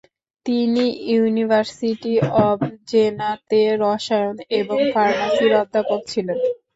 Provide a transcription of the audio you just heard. তিনি university of জেনা-তে রসায়ন এবং ফার্মাসির অধ্যাপক ছিলেন।